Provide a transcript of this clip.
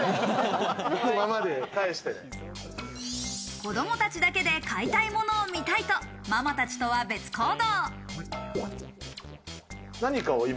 子供たちだけで買いたいものを見たいとママたちとは別行動。